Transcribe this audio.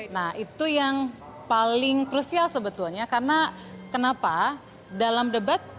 nah itu yang paling krusial sebetulnya karena kenapa dalam debat